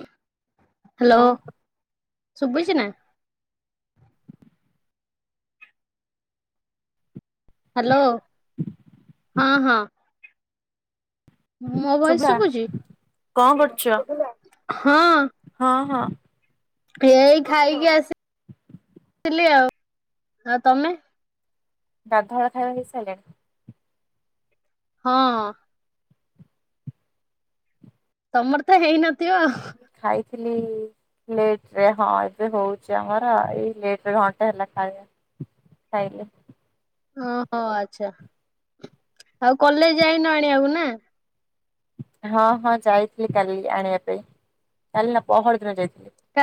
Hello ହଉ ଶୁଭୁଛି ନା ହାଲୋ ହଁ ହଁ। ମୋ ଭଏସ ଶୁଭ୍ରା ଶୁଭୁଛି କଣ କରୁଛ? ହଁ। ହଁ ହଁ ଏଇ ଖାଇକି ଆସ ଆଥିଲି ଆଉ। ଆଉ ତମେ? ଗାଧୁଆ ବେଳ ଖାଇବା ହେଇ ସାରିଲାଣି। ହଁ ହଁ। ତମରତ ହେଇନଥିବ। ଖାଇଥିଲି। ଲେଟରେ ହଁ ଏବେ ହଉଛି ଆମର, ଏଇ ଲେଟରେ ଘଣ୍ଟା ହେଲା ଖାଇବା। ଖାଇଲି। ଓହୋ ଆଚ୍ଛା ଆଉ କଲେଜ ଯାଇନ ଆଣିବାକୁ ନା। ହଁ ହଁ ଯାଇଥିଲି, କାଲି ଆଣିବା ପାଇଁ କାଲି ନା ପହର ଦିନ ଯାଇଥିଲି। କା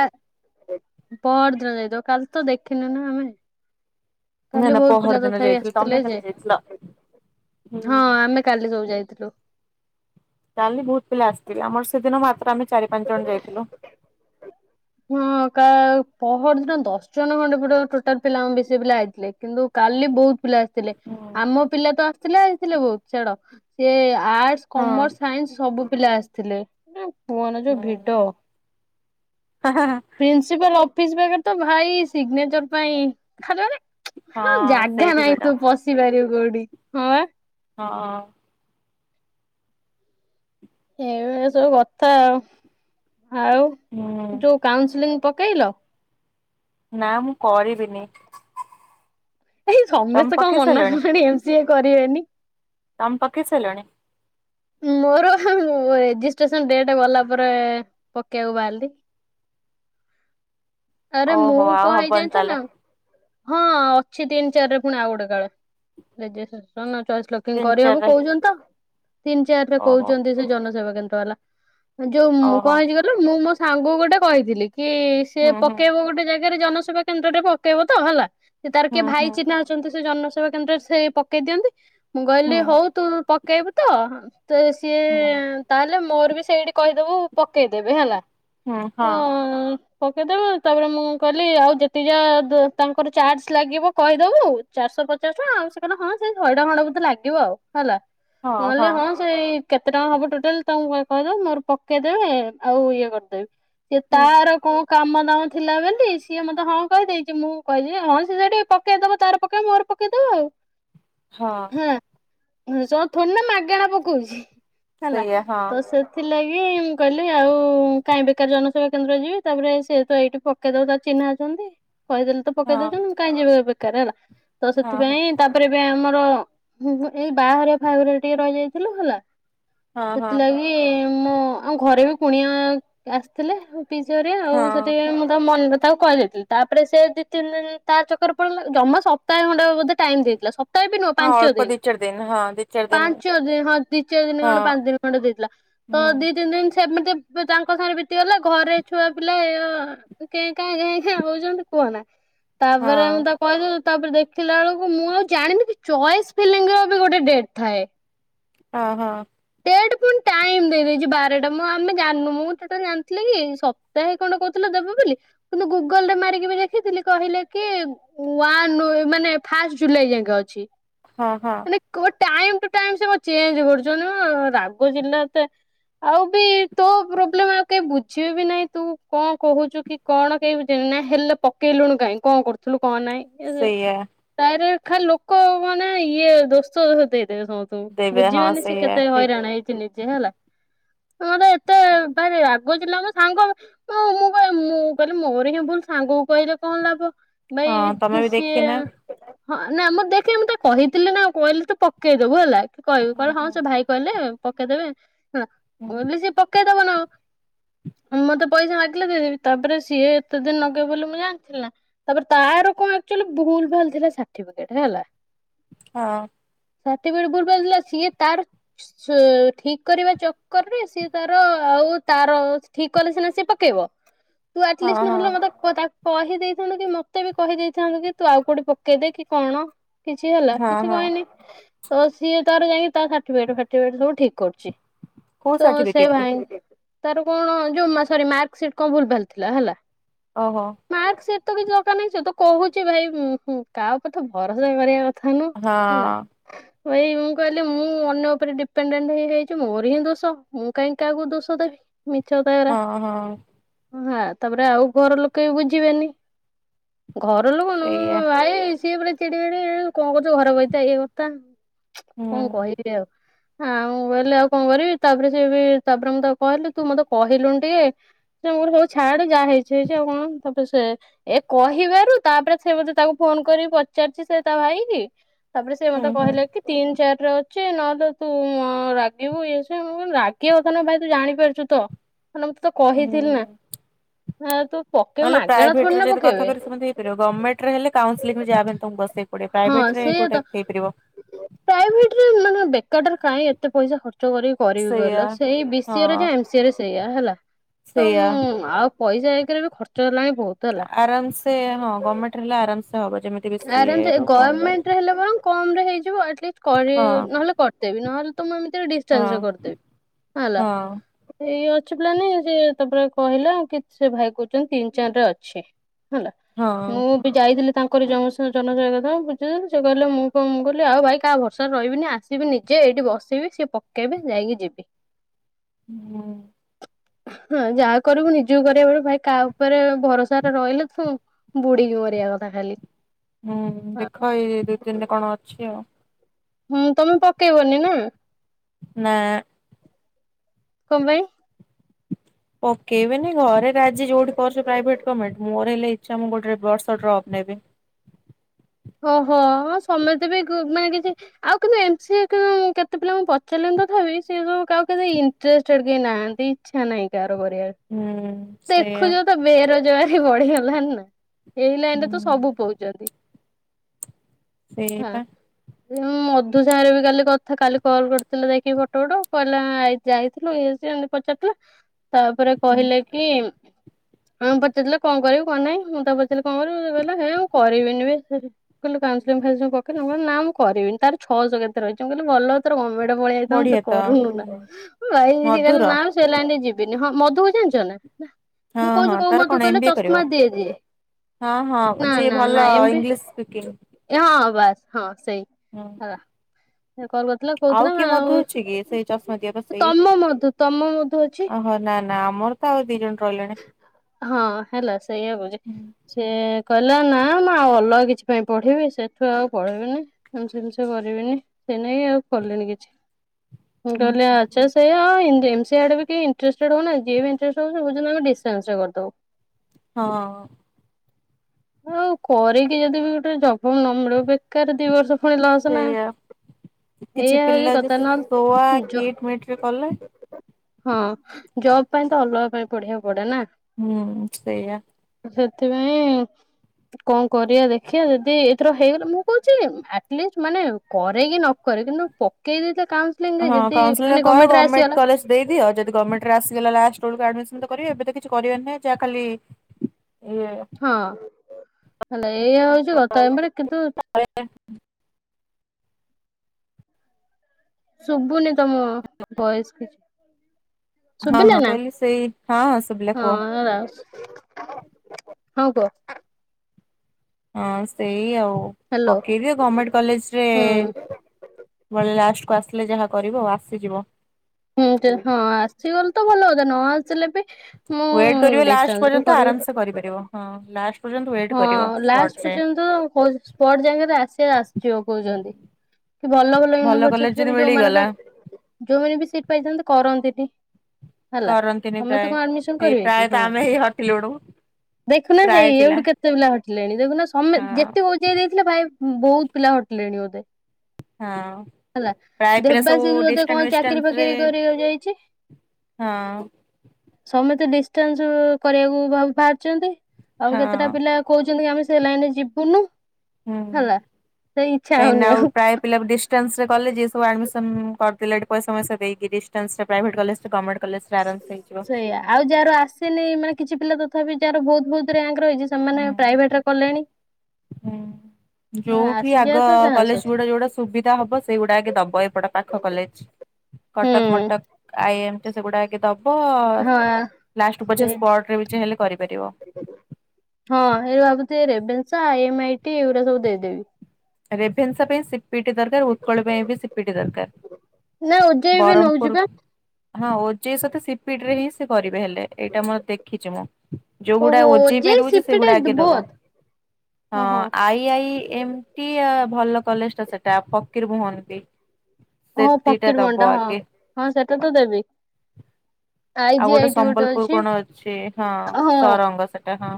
ପରଦିନ ଯାଇଥିବ, କାଲି ତ ଦେଖିନୁ ନା ଆମେ। ନା କାଲି ନା ବହୁତ ପିଲା ପହର ଦିନ ତଥାପି ଯାଇଥିଲି ତମେ ଆସିଥିଲେ କାଲି ଯେ ଯାଇଥିଲ ହୁଁ ହଁ ଆମେ କାଲି ସବୁ ଯାଇଥିଲୁ। କାଲି ବହୁତ ପିଲା ଆସିଥିଲେ। ଆମର ସେଦିନ ମାତ୍ର ଆମେ ଚାରି ପାଞ୍ଚ ଜଣ ଯାଇଥିଲୁ। ହଁ କ ପହର ଦିନ ଦଶ ଜଣ ଖଣ୍ଡେ ପଟ ଟୋଟାଲ ପିଲା ଆ ବେଶୀ ପିଲା ହେଇଥିଲେ କିନ୍ତୁ କା କାଲି ବହୁତ ପିଲା ଆସିଥିଲେ। ଆମ ପିଲା ତ ଆସିଥିଲେ ଆସିଥିଲେ ବହୁତ ଛାଡ ସିଏ ଆର୍ଟସ, ହଁ ହଁ କମର୍ସ, ସାଇନ୍ସ ସବୁ ପିଲା ଆସିଥିଲେ। କୁହନି ଯୋଉ ଭିଡ। ପ୍ରିନ୍ସିପାଲ ଅଫିସ ପାଖରେ ତ ଭାଇ ସିଗ୍ନେଚର ପାଇଁ ଖାଲ ହଁ ଜାଗା ସେଇଠି ନାହିଁ ଭିଡ ତୁ ପଶିପାରିବୁ କୋଉଠି? ହଁବା। ହଁ। ଏ ସବୁ କଥା ଆଉ, ଆଉ ହୁଁ ଯୋଉ କାଉନସିଲିଙ୍ଗ ପ ପକେଇଲା। ନା ମୁଁ କରିବିନି। ଏଇ ତମେ ସମସ୍ତେ କଣ ପକେଇ ମନା ସାରିଲଣି? କଲେଣି, ଏମ ସି ଏ କରିବେନି। ତମେ ପକେଇ ସାରିଲଣି? ମୋର ରେଜିଷ୍ଟ୍ରେସନ ଡେଟ ଗଲା ପରେ, ପକେଇବାକୁ ବାହାରିଲି। ଆରେ ମୁଁ ଓହୋ ଆଉ କଣ ହେଇ ହବନି ଜାଣିଛ ତାହେଲେ ନା? ହଁ ଅଛି ତିନି ଚାରିରେ ପୁଣି ଆଉ ଗୋଟେ କାଳେ ରେଜିଷ୍ଟ୍ରସନ ଅ ଚଏସ ଲକିଙ୍ଗ ତିନି କରିହବ ଚାରିରେ କହୁଛନ୍ତି ତ ତିନି ଚାରିରେ ଓହୋ କହୁଛନ୍ତି। ସେ ଜନସେବା କେନ୍ଦ୍ରବାଲା ଯୋଉ ମୁଁ ଓହୋ କଣ ହେଇଛି କହିଲା। ମୁଁ ମୋ ସାଙ୍ଗକୁ ଗୋଟେ କହିଥିଲି କି, ସେ ହୁଁ ହୁଁ ପକେଇବ ଗୋଟେ ଯାଇ ଜନସେବା କେନ୍ଦ୍ରରେ ପକେଇବ ତ ହେଲା, ସେ ତାର ହୁଁ କିଏ ଭାଇ ହୁଁ ଚିହ୍ନା ଅଛନ୍ତି ସେ ଜନ ତୁ କେମତି ସେ ପକେଇ ଦିଅନ୍ତି। ମୁଁ ହୁଁ କହିଲି ହଉ ତୁ ପକେଇବୁ ତ ତ ସିଏ ହୁଁ ତାହେଲେ, ମୋର ବି ସେଇଠି କହିଦବୁ ପକେଇଦେବେ ହେଲା। ହଁ। ପକେଇଦବୁ ତାପରେ ମୁଁ କଲି ଆଉ ଯେତିକ ଯା ତାଙ୍କର ଚାର୍ଜ ଲାଗିବ କହିଦେବୁ ଚାରିଶହ ପଚାଶ। ପଚାଶ ଟଙ୍କା ଆଉ ସେ କ ହଁ ସେ ଶହେ ଟଙ୍କା ଖଣ୍ଡେ ବଧେ ଲାଗିବ ଆଉ ହେଲା, ମୁଁ କହିଲି ହଁ ସେଇ କେତେ ଟଙ୍କା ହବ ଟୋଟାଲ ତାଙ୍କୁ କହିଦବ। ମୋର ପକେଇଦେବେ ଆଉ ଇଏ କରିଦେବେ। ସେ ହୁଁ ତାର କୋଉ କାମ ଦାମ ଥିଲା ବୋଲି ସିଏ ମତେ ହଁ କହିଦେଇଛି। ମୁଁ କଛିି ହଁ ସିଏ ସେଠି ପକେଇଦବ ତାର ପକେଇ ମୋର ପକେଇଦବ ଆଉ ହଁ। ନିଃସ୍ଵାର୍ଥ ନା ମାଗଣା ପକଉଛି ହେଲା ସେଇଆ ହଁ ତ ସେଥିଲାଗି ଟି ମୁଁ କହିଲି ଆଉ କାଇଁ ବେକାର ଜନସେବା କେନ୍ଦ୍ର ଯିବି ତାପରେ ସେ ତ ଏଇଠି ପକେଇ ଦବ ତାର ଚିହ୍ନା ଅଛନ୍ତି। କହିଦେଲେ ତ ହଁ ପକେଇ ଦଉଛନ୍ତି କାଇଁ ଯିବି ଏ ଦରକାର ହେଲା, ତ ହଁ ହଁ ସେଥିପାଇଁ ତାପରେ ଏବେ ଆମର ହୁଁ ଏଇ ବାହାଘରିଆ ଫାହାଘରିଆ ଟିକେ ରହିଯାଇଥିଲୁ ହେଲା, ହଁ ହଁ ସେଥିଲାଗି ମୋ ଆଉ ଘରେ ବି କୁଣିଆ ଆସିଥିଲେ। ପିଇସି ହେରିକା ଆଉ ହଁ ସେଠି ମୁଁ ମନ ତାକୁ କହିଯାଇଥିଲି ତାପରେ ସେ ଦିଇ ତିନି ଦିନ ତା ଚକରେ ପଡିଲା ଜମା ସପ୍ତାହ ଖଣ୍ଡେ ବୋଧେ ଟାଇମ ଦେଇଥିଲା ସ ତ ବି ନୁହଁ ହଁ ପାଞ୍ଚ ଅଳ୍ପ ଦିନ ଦି ଚାରି ହଁ ଦି ଚାରି ଦିନ ପାଞ୍ଚ ଦିନ ହଁ ଦି ଚାର ଦିନ ଖଣ୍ଡ ହଁ ପାଞ୍ଚ ଦିନ ଖଣ୍ଡେ ଦେଇଥିଲା। ତ ହୁଁ ଦି ତିନି ଦିନ ସେମିତି ତାଙ୍କ ସାଙ୍ଗରେ ବିତିଗଲା ଘରେ ଛୁଆ ପିଲା କେ କାଁ କାଁ କାଁ କହୁଛନ୍ତି କୁହନା ହଁ ତାପରେ ମୁଁ ତାକୁ କହିଦେଲି ତାପରେ ଦେଖିଲା ବେଳକୁ ମୁଁ ଆଉ ଜାଣିନି କି ଚଅସ୍ ଫିଲିଙ୍ଗ ର ବି ଗୋଟେ ଡେଟ୍ ଥାଏ। ଓ ହୋ। ସେଇଟି ପୁଣି ଟାଇମ୍ ଦେଇ ଦେଇଛି ବାରଟା ମୁଁ ଆମେ ଜାଣୁ ମୁଁ ସେଇଟା ଜାଣିଥିଲି କି ସପ୍ତାହେ କଣ କହୁଥିଲେ ଦେବେ ବୋଲି। କିନ୍ତୁ ଗୁଗଲରେ ମାରିକି ଦେଖିଥିଲି କହିଲେ କି ମାନେ ଫାଷ୍ଟ ଜୁଲାଇ ଯାଇକେ ଅଛି। ହଁ ହଁ। ଟାଇମ୍ ଟୁ ଟାଇମ୍ ସେ କଣ ଚେଞ୍ଜ କରୁଚନ୍ତି ରାଗ ଚିଡିଲା ଏତେ ଆଉ ବି ତୋ ପ୍ରୋବ୍ଲେମ ଆଉ କେହି ବୁଝିବେ ବି ନାହିଁ ତୁ କଣ କହୁଛୁ କି କଣ କେହି ନା ହେଲେ ପକେଇଲୁଣି କାଇଁ କଣ କରୁଥିଲୁ କଣ ନାଇଁ ସେଇଆ ତାର ଖାଲି ଲୋକ ମାନେ ଇଏ ଦୋସ ଦେଇ ଦେବେ ଦେବେ ହଁ ବୁଝିବେନି ସେ ସେଇଆ କେତେ ଠିକ ହଇରାଣ ହେଇଛି ନିଜେ ହେଲା? ମତେ ଏତେ ଭାରି ରାଗ ଥିଲା ଆମ ସାଙ୍ଗ ମୁଁ କହ ମୁଁ କହିଲି ମୋର ହିଁ ଭୁଲ ସାଙ୍ଗ କୋଉ କହିଲେ କଣ ଲାଭ ଭାଇ ହଁ ତମେ ବି ସିଏ ଦେଖିନା ହଁ ନା ମୁଁ ଦେଖି ମୁଁ ତ କହିଥିଲି ନା ଆଉ କହିଲି ତୁ ପକେଇଦବୁ ହେଲା କହିବି ହୁଁ କହିଲେ ହଁ ହୁଁ ସେ ଭାଇ କହିଲେ ପକେଇଦେବେ ହୁଁ ସେ ପକେଇଦବ ନା? ମତେ ପଇସା ମାଗିଲେ ଦେଇ ତାପରେ ସିଏ ଏତେ ଦିନ ଲଗେଇବେ ବୋଲି ମୁଁ ଜାଣିିଥିଲି ନା ତାପରେ ତାର କଣ ଆକ୍ଚୁଲି ଭୁଲ୍ ଭାଲ ଥିଲା ସାର୍ଟିଫିକଟ ହେଲା। ହଁ। ସାର୍ଟିଫିକେଟରେ ଭୁଲ ଭାଲ ଥିଲା ସିଏ ତାର ଠିକ କରିବା ଚକର ରେ ସିଏ ତାର ଆଉ ତାର ଠିକ କଲେ ସିନା ସିଏ ପକେଇବ। ତୁ ହଁ ଆଟଲିଷ୍ଟ ହଁ ନହେଲେ ମୋତେ କଥା କହି ଦେଇଥାନ୍ତୁ କି ମତେ ବି କହିଦେଇଥାନ୍ତୁ କି ତୁ ଆଉ କୋଉଠି ପକେଇଦେ କି କଣ? କିଛି ହେଲା ହଁ କିଛି ହଁ କହିନି ତ ସିଏ ତାର ଯାଇକି ତା ଫାଟି ବେଟ ସବୁ ଠିକ କରୁଛି କୋଉ ତ ସେ ସାର୍ଟିଫିକେଟ କି ଭାଇ ତାର କଣ ଯୋଉରି ମାରକ୍ସିଟ କଣ ଭୁଲ ଭାଲଥିଲା ହେଲା। ଓହୋ। ମାର୍କ ସିଟ ତ କିଛି ଦରକାର ନାହିଁ ସେ ତ କହୁଚି ଭାଇ କାହା ଉପରେ ତ ଭରସା କରିବା କଥା ନୁହଁ। ହଁ। ହେଲା ଭାଇ ମୁଁ କହିଲି ମୁଁ ମୁଁ ଅନ୍ୟ ଉପରେ ଡିପେଣ୍ଡେଣ୍ଟ ହେଇଯାଇଛି ମୋର ହିଁ ଦୋଷ ମୁଁ କାହିଁକି କାହାକୁ ଦୋଷ ଦେବି? ମିଛ କଥା ଏରା ହଁ ହଁ। ହଁ ତାପରେ ଆଉ ଘର ଲୋକେ ବି ବୁଝିବେନି ଘର ଲୋକ ନୁହଁ ମ ସେଇଆ ଭାଇ। ସିଏ ପୁରା ଚିଡି ମିଡି କଣ କରୁଛ ଘର ବହିତା ଇଏ କଥା ହୁଁ କଣ କହି ହଁ। ମୁଁ କହିଲି ଆଉ କଣ କରିବି ତାପରେ ସେ ତାପରେ ମୁଁ କହିଲି ତୁ ମତେ କହିଲୁନି ଟିକେ। ଛାଡ଼େ ଯାହା ହେଇଚି ହେଇଚି କଣ ତାପରେ ସେ ଏ କହିବାରୁ ତାପରେ ସେ ବେ ତାକୁ ଫୋନ କରିକି ପଚାରିଛି ସେ ତା ଭାଇ କି ତାପରେ ସେ ହୁଁ ମତେ ହୁଁ କହିଲେ କି ତିନି ଚାରି ର ନହ ତ ତୁ ରାଗିବୁ ଇଏ ସିଏ ରାଗିବା କଥା ନ ଭାଇ ତୁ ଜାଣିପାରୁଛୁ ତ ମୁଁ ତେ ତ କହିଥିଲି ନା ନା ତୁ ପକେଇବୁ ନହେ ମାଗଣା ଥୋଡି ପ୍ରାଇଭେଟରେ ନା ଯଦି କଥା ପକେଇବେ କରି ହେଇପାରିବ ଗଭର୍ଣ୍ମେଣ୍ଟରେ ହେଲେ କାଉସିଲ୍ ରେ ଯହାକୁ ବସେଇକୁ ପଡିବ ପ୍ରାଇଭେଟ୍ ସେ ତ ପ୍ରାଇଭେଟରେ ମାନେ ବେକାରରେ କାହିଁ ଏତେ ପଇସା ଖର୍ଚ୍ଚ କର କରିବି ସେଇଆ କହିଲ ସେଇ ବି ସରେ ହଁ ଏମସିରେ ସେଇଆ ହେଲା ତ ସେଇଆ ଆଉ ପଇସା ଆଗରେ ବି ଖର୍ଚ୍ଚ ହେଲାଣି ବହୁତ ହେଲା ଆରାମସ ହଁ ଗମେଣ୍ଟ ହେଲେ ଆରାମସ ହବ ଯେମିତି ଆରାମସେ ଗଭର୍ଣ୍ଣମେଣ୍ଟରେ ହେଲେ ବରଂ କମ ରେ ହେଇଯିବ ହଁ ନହେଲେ କରିଦେବି ନହେଲେ ତମଁ ଏମିତି ହଁ ଡିନ୍ସରେ କରିଦେବି ହେଲା ହଁ ଏଇ ଅଛି ପ୍ଲାନିଙ୍ଗ ସେ ତାପରେ କହିଲା କି ସେ ଭାଇ କହୁଛନ୍ତି ତିନି, ଚାରି ରେ ଅଛି। ହେଲା ହଁ। ମୁଁ ବି ଯାଇଥିଲି କରି ଜନ ଜନସେବା ବୁଝିଦେଲେ ସେ କହିଲେ ମୁଁ କ କହିଲି ଆଉ ଭାଇ କାହା ଭରସାରେ ରହିବିନି ଆସିବି ନିଜେ ସେଠି ବସିବି ସିଏ ପକେଇବେ ଯାଇକି ଯିବି। ହୁଁ ହଁ, ଯାହା କରିବୁ ନିଜକୁ କରିବାକୁ ପଡେ ଭାଇ କାହା ଉପରେ ଭରସା ଟା ରହିଲେ ତୁ ବୁଡ଼ି କି ମରିିବା କଥା ଖାଲି। ହୁଁ ହଁ ଦେଖ ଏଇ ଦୁଇ ତିନିରେ କଣ ଅଛି ଆଉ? ହୁଁ ତମେ ପକେଇବନି ନା, ନା, କମ୍ପାଇ ପକେଇବବେନି ଘରେ ରାଜି ଯୋଉଠି କରୁଛ ପାଇଁ? ପ୍ରାଇଭେଟ୍, ଗୋଭେଣ୍ଟ ମୋର ହେଲେ ଇଛା ମୁଁ ଗୋଟେ ବର୍ଷ ଡ୍ରପ୍ ନେ ଓହୋ! ହଁ, ସମସ୍ତେ ବି ମାନେ କିଛି ଆଉ କିନ୍ତୁ ଏମ ସିଏ କେତେ ପିଲା ମୁ ପଚାରିଲି ତଥାବି ସେ ସବୁ କାହାକୁ କେଜାଣି ଇଣ୍ଟ୍ରେଷ୍ଟଏଡ୍ କେହି ନାହାନ୍ତି ଇଛା ନାହିଁ କାହାର ହୁଁ ସେଇଆ ଦେଖୁଛ ତ ବେରୋଜଗାରୀ ବଢିଗଲାଣି ନା, ଏଇ ଲାଇନ ରେ ତ ହୁଁ ସବୁ ପୋହୁଛନ୍ତି। ସେଇଆ ପା ହୁଁ ମଧୁ ସାଙ୍ଗରେ ବି କାଲି କଥା କାଲି କଲ୍ କରିଥିଲେ ଯାଇକି ଫଟୋ ଫଟ କହିଲା ଯାଇଥିଲୁ ଇଏ ସିଏ ଏମିତି ପଚାରି ତାପରେ ହୁଁ କହିଲେ କି ମାମୁଁ ପଚାରିଲେ କଣ କରିବୁ କଣ ନାହିଁ ମୁଁ ତାକୁ ପଚାରିଲି କଣ କରିବି ସେ କହିଲା ହେ କରିବିନି ବେ କହିଲ ନା ମୁ କରିବିନି ତାର ଛଅଶହ କେତେ ରହିଛି ମୁଁ କହିଲି ଭଲ ତୋର ଗମେଣ୍ଟ ପଳେଇ ଆଇଥାନ୍ତା ତୁ ବଢିଆ ତ କରୁନୁ ନା ହୁଁ ଭାଇ ସେ କହିଲା ମଧୁର ନା ମୁ ସେଇ ଲାଇନ୍ ରେ ଯିବିନି ହଁ, ମଧୁକୁ ଜାଣିଛ ନା, ନା ହଁ ମୁଁ ହଁ କହୁଛି କୋଉ ତାର କଣ ମଧୁ ଏମ କହିଲ ବି ଏ କରିବ? ଚଶମା ଦିଏ ଯିଏ? ହଁ, ହଁ ନା ଯିଏ ନା ନା ଭଲ ଏମପି ଇଂଲିଶ ଶି ହଁ, ବାସ୍ ହଁ, ସେଇ ହଁ ହେଲା। ସେ କଲ୍ କରିଥିଲା ଆଉ କହୁଥିଲା କିଏ ମଧୁ ଅଛି କି ସେଇ ଚଷମା ଦିଆ ବା ସେଇ ତମ ମଧୁ ତମ ମଧୁ ଅଛି ଓହୋ ନା ନା, ନା ଆମର ତ ଆଉ ଦି ଜଣ ରହିଲେଣି ହଁ, ହେଲା ସେଇଆ କହୁଚି ହୁଁ ସେ କହିଲା ନା ମୁଁ ଆଉ ଅଲଗା କିଛି ସେଥିପାଇଁ ପଢିବି ସେଠୁ ଆଉ ପଢ଼ିବିନି ଏମି ଜିନିଷ କରିବିନି ସେ ନେଇ ଆଉ ପଢ଼ିଲିନି କିଛି ମୁଁ କହିଲି ଆଛା ସେଇ ଏମ୍ ସିଏ ଆଡେ ବି କେହି ଇନ୍ତ୍ରେଷ୍ଟଏଡେ ହଉନାହାନ୍ତି, ଯିଏ ବି ଇନ୍ତ୍ରେଷ୍ଟ ହଉଛନ୍ତି ଆମେ ଡିଷ୍ଟାନ୍ସ ରେ କରିଦେବୁ। ହଁ ଆଉ କରିକି ଯଦି ବି ଗୋଟେ ଯ ବେକାରରେ ଦି ବର୍ଷ ପୁଣି ଲସ ନା। ସେଇଆ କିଛି ଏଇଆ ହଉଚି ପିଲା ଯେ କଥା ସଉଆ ନହେଲେ ଯୋ କିଟ ମିଟ ରେ କଲେ ହଁ, ଜବ୍ ପାଇଁ ତ ଅଲଗା ପାଇଁ ପଢିବାକୁ ପଡେ ନା ହୁଁ ସେଇଆ ସେଥିପାଇଁ କଣ କରିବା ଦେ ଖିଆ ଯଦି ଏଥର ହେଇଗଲା ମୁଁ କହୁଛି ଆଟଲିଷ୍ଟ ମାନେ କରେ କି ନ କରେ କିନ୍ତୁ ପକେଇ ଦେଇ ହଁ, କାଉନସିଲଂ କର ଗର୍ମେଣ୍ଟ କଲେଜ ଦେଇଦିଅ ଯଦି ଗର୍ମେଣ୍ଟରେ ଆସି ଲାଷ୍ଟ ବେଳକୁ ଆଡ଼ମିଶନ ତ କରିବେ ଏବେ ତ କିଛି କରିବେନି ଯାହା ଖାଲି ଇଏ ହଁ, ହେଲେ ଏଇଆ ହଉଛି କଥା, ଏମାନେ କିନ୍ତୁ ହୁଁ ଶୁଭୁନି ତମ ଭଏସେ କିଛି। ହଁ ଶୁଭିଲା ହଁ ନା କହିଲି ସେଇ ହଁ ଶୁଭିଲା ହଁ, କୁହ ହଁ, କୁହ ହଁ, ସେଇ ଆଉ ହ୍ୟାଲୋ ପକେଇବି ଗମେଣ୍ଟ କଲେଜରେ ହୁଁ ଲାଷ୍ଟ ଆସିଲେ ଯାହା କରିବ ଆସିଯିବ। ହୁଁ ଯେ ହଁ ଆସିଗଲେ ତ ଭଲ ହ ନ ଆସିଲେ ବି ମୁଁ ଟ କରିବ ଲାଷ୍ଟ ଡିଷ୍ଟାନ୍ସରେ ପର୍ଯ୍ୟ ବି କରିବି ଆରାମ ସେ କରିପାରିବ ହଁ ପର୍ଯ୍ୟନ୍ତ ୱେଟ୍ କରିବ ହଁ ସ୍ପଟ ଲାଷ୍ଟ ଯାଏଁ। ପର୍ଯ୍ୟନ୍ତ ସ୍ପଟ ଜାଗାରେ ଆସ ଆସି କହୁଛନ୍ତି କି ଭଲ ଭଲ କଲେଜ ୟୁନିଭରସିଟିରେ ଯଦି ବି ମିଳିଗଲା ଯୋଉମାନଙ୍କ ଯୋଉମାନେ ବି ସିଟ ପାଇଥାନ୍ତି କରନ୍ତିନି ହେଲା କରନ୍ତିନି ସମେ ତ ପ୍ରାୟ କଣ ଆଡମିସନ ଏଇ କରିବେ କି ପ୍ରାୟତ ହଁ ଆମେ ହେଇ ହଟିଲୁଣୁ ଦେଖୁନା ପ୍ରାୟ ହେଇ ଏଠୁ ପିଲା କେତେ କେତେ ପିଲା ହଟିଲେଣି ଦେଖୁନା ସମେ ହଁ। ଯେତକି ବଜେଇ ଦେଇଥିଲେ ଭାଇ ବହୁତ ପିଲା ହଟିଲେଣି ବୋଧେ ହଁ ହେଲା ପ୍ରାୟ ପିଲା ସବୁ ଦେବାଶି ବୋଧେ ଡିଷ୍ଟାନ୍ସ କଣ ମିଷ୍ଟାନ୍ସ ଚାକିରି ରେ ଫକିରି କର ଯାଇଛି ହଁ ସମସ୍ତେ ଡିଷ୍ଟାନ୍ସ କରିବାକୁ ବାହାରିଛନ୍ତି ଆଉ କେତେଟା ହଁ ପିଲା କହୁଛନ୍ତି ଆମେ ସେ ଲାଇେ ଯିବୁନୁ ହୁଁ। ହେଲା ସେଇ ଇଚଛା ହଉନି ଆଉ ଡିଷ୍ଟାସରେ କଲେଜ ଏ ସବୁ ଆଡ଼ମସନ୍ କରିଦଲେ ଏ ପଇସା ପସା ଦେଇକି ଡିାସ ପ୍ରାଇଭେଟ କଲେଜରେ ଗଭର୍ଣ୍ମେଣ୍ଟ ସେଇୟଆା ଆଉ ଯାହାର ଆସେନି ମାନେ କିଛି ପିଲା ତଥାପି ଯାହାର ବହୁତ ବହୁତ ରଛି ସେମାନେ ପ୍ରାଇଭେଟରେ କଲେଣି ହଁ ଯୋଉଠି ଆସିଯିବା ଆଗ ତ ଚାନ୍ସ କଲେଜ ଅଛି ଗୁଡା ଯୋଉଟା ସୁବିଧା ହବ ସେଇଗୁଡା ଆଗେ ଦବ ଏପଟ ପାଖ କଲେଜ ହୁଁ। କଟକ ମଟକ ଆଇ ଏମ ସେଗୁଡା କି ଦ ହଁ ଲ ସେଇ ପ କରିପାର ହଁ ଏ ଭାବୁଛି ରେବେନ୍ସ ଆଇଟି ଏଗୁଡା ସବୁ ଦେଇଦେବି ରେଭେନ୍ସ ପାଇଁ ସିପିଟି ଦରକାର ଉତ୍କଳ ପାଇଁ ବି ସିପିଟି ଦରକାର ନା ଓଜେଇ ବି ନଉଚି ବ୍ରରମପୁର ପା ହଁ ଓ ଯେ ସତ ସିପିଡ ରେ ହିଁ ସେ କରିବ ହେଲେ ଏଇଟା ମୋର ଦେଖିଛି ମୁଁ ଯୋଉଗୁଡା ଓହୋ ଓଜେଇ ପାଇଁ ଦଉଛି ସିପିଟି ସେଇଗୁଡା ଆଗେ ଦବ ବୋଥ୍ ହଁ ଆଇ ଆଇ ଏମ ଟି ଭଲ କଲେଜ ଟା ସେଟା ଫକୀର ହୁହନ୍ତି ହଁ ଫକିର ମଣ୍ଡା ହଁ ହଁ ସେଟା ତୁ ଦେବି ଆଇ ଆଉ ଜି ଆଇ ଗୋଟେ ଟି ସମ୍ବଲପୁର ଅଛି କଣ ଅଛି ହଁ ସରଙ୍ଗ ସେଟା ହଁ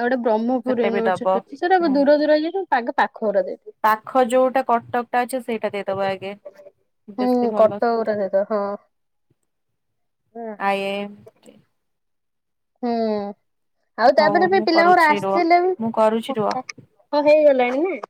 ଆଉ ଗୋେ୍ରହ୍ମପୁର ସେଟା ବି ଦବ ୟୁନିର୍ସିଟି ଅଛି ସେଟା ହୁଁ। ଦୂର ଦର ହେଇାଇ ପାଖଘରେ ଦେ ପାଖ ଯୋଉଟା କଟକ ଟା ଅଛ ସେଇଟା ଦେଇଦବ ଆଗେ ବେଶୀ ହୁଁ ଭଲ ସେଠି। କଟଉର ଯ ତ ହଁ ଆଏଏ ହୁଁ ଆଉ ହଉ ତାପରେ ବି ମୁଁ ପିଲାଙ୍କର କରୁଛି ରୁହ ଆସିଲେ ମୁଁ କରୁଛି ବି ରୁହ। ହଁ ହେଇଗଲାଣି ନା